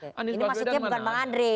ini maksudnya bukan bang andre